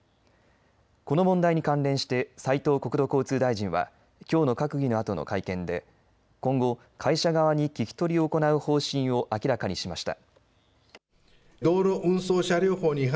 この問題に関連して斉藤国土交通大臣はきょうの閣議のあとの会見で今後、会社側に聞き取りを行う方針を明らかにしました。